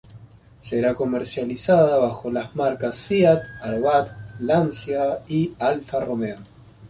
Será comercializada bajo las marcas Fiat, Abarth, Lancia y Alfa Romeo.